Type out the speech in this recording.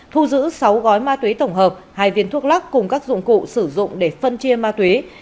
thu giữ sáu gói ma túy tổng hợp hai viên thuốc lắc cùng các dụng cụ sử dụng để phân chia ma túy